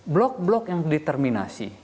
blok blok yang determinasi